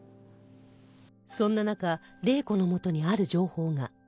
そんな中玲子の元にある情報が